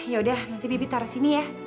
yaudah nanti bibi taruh sini ya